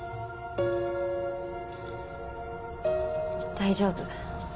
大丈夫。